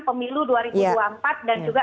pemilu dua ribu dua puluh empat dan juga